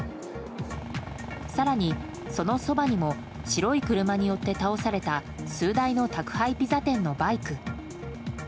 更に、そのそばにも白い車によって倒された数台の宅配ピザ店のバイク。